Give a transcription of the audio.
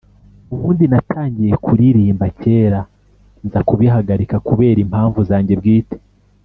“Ubundi natangiye kuririmba kera nza kubihagarika kubera impamvu zanjye bwite